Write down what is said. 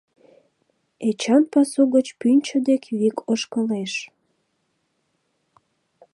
Эчан пасу гоч пӱнчӧ дек вик ошкылеш.